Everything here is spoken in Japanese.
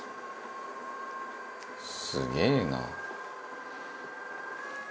「すげえな」